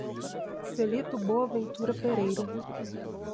Celito Boaventura Pereira